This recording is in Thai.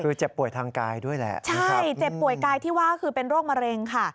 คือเจ็บป่วยทางกายด้วยแหละใช่เจ็บป่วยกายที่ว่าคือเป็นโรคมะเร็งค่ะ